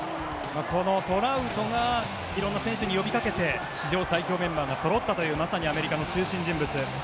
トラウトが色んな選手に呼びかけて史上最強メンバーがそろったというまさにアメリカの中心人物。